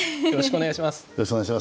よろしくお願いします。